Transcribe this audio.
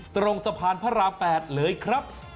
ตรงสะพานพระราม๘เลยครับ